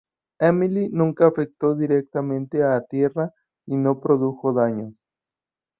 Emily nunca afectó directamente a tierra y no produjo daños.